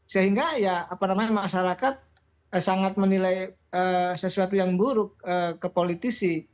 sehingga masyarakat sangat menilai sesuatu yang buruk ke politisi